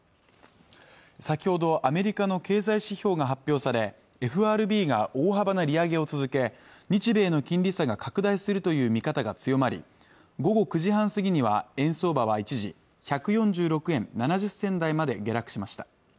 先ほどアメリカの経済指標が発表されＦＲＢが大幅な利上げを続け日米の金利差が拡大するという見方が強まり午後９時半過ぎには円相場は一時１４６円７０銭台まで下落しました